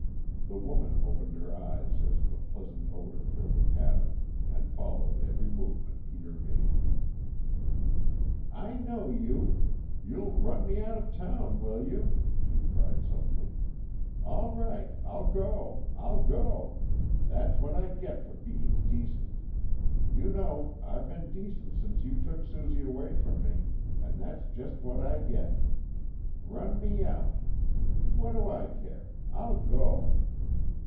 The woman opened her eyes as the pleasant odor filled the cabin, and followed every movement Peter made. "I know you! You'll run me out of town, will you?" she cried suddenly. "All right, I'll go! I'll go! That's what I get for being decent. You know I 've been decent since you took Susie away from me, and that's what I get. Run me out what do I care! I'll go."